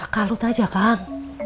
kak lut aja kak